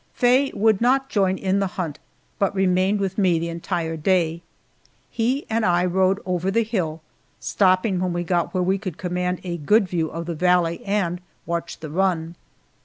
Faye would not join in the hunt, but remained with me the entire day. He and I rode over the hill, stopping when we got where we could command a good view of the valley and watch the run.